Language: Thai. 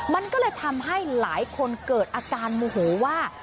มันก็เลยทำให้หลายคนเกิดอาการโมโหว่า